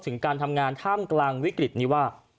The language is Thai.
ถึงการทำงานท่ามกลางวิกฤตนี้ว่า